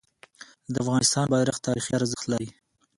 د افغانستان بیرغ تاریخي ارزښت لري.